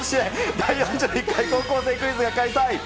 第４１回高校生クイズが開催。